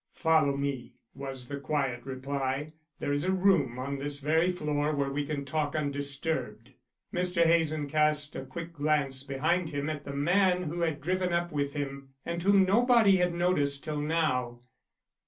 "Follow me," was the quiet reply. "There is a room on this very floor where we can talk undisturbed." Mr. Hazen cast a quick glance behind him at the man who had driven up with him and whom nobody had noticed till now.